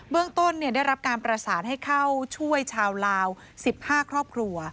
เรื่องต้นได้รับการประสานให้เข้าช่วยชาวลาว๑๕ครอบครัว